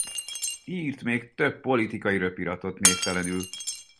Írt még több politikai röpiratot névtelenül.